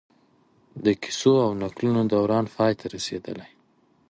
د کيسو او نکلونو دوران پای ته رسېدلی دی